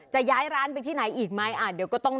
จะย้ายร้านไปที่ไหนอีกหรือยัง